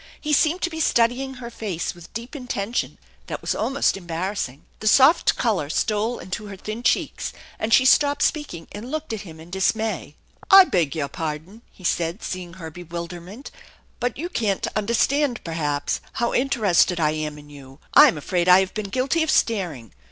He seemed to be studying her face with deep intention that was almost embarrassing. The soft color stole into her thin cheeks, and she stopped speaking and looked at him in dismay. " I beg your pardon," he said, seeing her bewilderment, "but you can't understand perhaps how interested I am in you. I am afraid I have been guilty of staring.